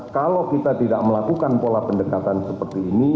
kalau kita tidak melakukan pola pendekatan seperti ini